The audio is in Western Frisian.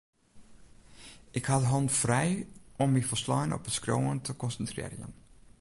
Ik ha de hannen frij om my folslein op it skriuwen te konsintrearjen.